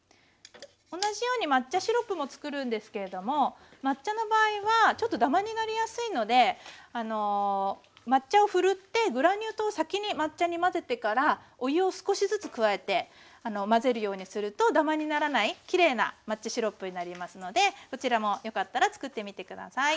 同じように抹茶シロップも作るんですけれども抹茶の場合はちょっとダマになりやすいので抹茶をふるってグラニュー糖を先に抹茶に混ぜてからお湯を少しずつ加えて混ぜるようにするとダマにならないきれいな抹茶シロップになりますのでこちらもよかったら作ってみて下さい。